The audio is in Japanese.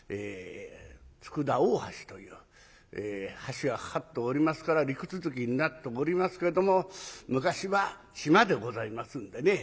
今佃大橋という橋が架かっておりますから陸続きになっておりますけれども昔は島でございますんでね